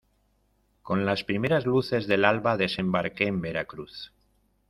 con las primeras luces del alba desembarqué en Veracruz.